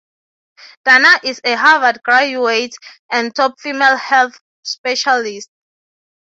Dana is a Harvard graduate and top female health specialist.